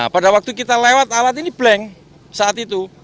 pada waktu kita lewat alat ini blank saat itu